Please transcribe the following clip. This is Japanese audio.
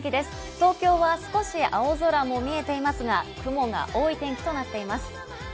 東京は少し青空も見えていますが、雲が多い天気となっています。